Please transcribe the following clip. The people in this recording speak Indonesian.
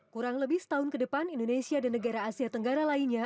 kurang lebih setahun ke depan indonesia dan negara asia tenggara lainnya